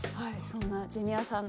そんなジュニアさん